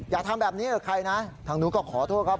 อย่าทำแบบนี้กับใครนะทางนู้นก็ขอโทษครับ